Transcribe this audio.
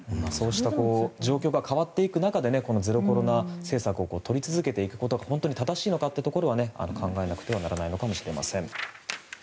状況が変わっていく中でゼロコロナ政策をとり続けていくことが本当に正しいのかというところは考えないといけないのかもしれません。